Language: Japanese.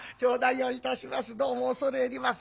どうも恐れ入ります。